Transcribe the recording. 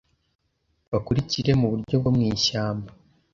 Bakurikire muburyo bwomwishyamba